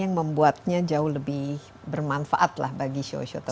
yang membuatnya jauh lebih bermanfaat lah bagi show show tersebut